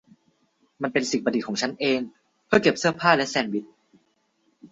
มันเป็นสิ่งประดิษฐ์ของฉันเอง เพื่อเก็บเสื้อผ้าและแซนด์วิช